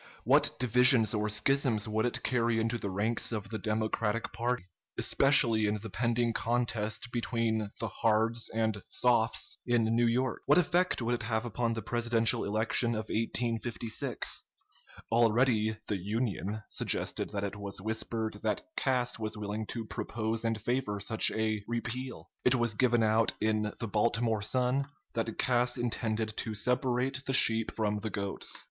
What divisions or schisms would it carry into the ranks of the Democratic party, especially in the pending contest between the "Hards" and "Softs" in New York? What effect would it have upon the presidential election of 1856? Already the "Union" suggested that it was whispered that Cass was willing to propose and favor such a "repeal." It was given out in the "Baltimore Sun" that Cass intended to "separate the sheep from the goats."